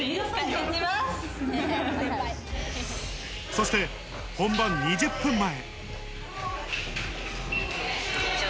そして本番２０分前。